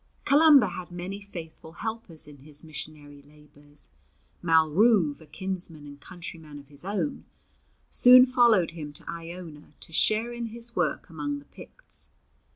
Columba had many faithful helpers in his missionary labours. Malruve, a kinsman and countryman of his own, soon followed him to Iona to share in his work among the Picts.